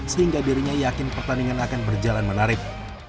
sehingga dirinya yakin pertandingan akan berjalan menarik